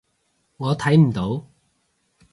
我睇唔到